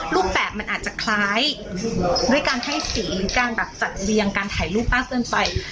รูปแบบมันอาจจะคล้ายด้วยการให้สีหรือการแบบจัดเรียงการถ่ายรูปมากเกินไป